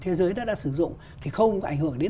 thế giới đã sử dụng thì không ảnh hưởng đến